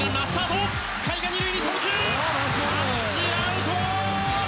タッチアウト！